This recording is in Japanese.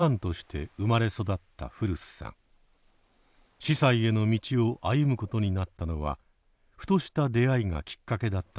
司祭への道を歩むことになったのはふとした出会いがきっかけだったという。